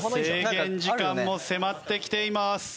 制限時間も迫ってきています。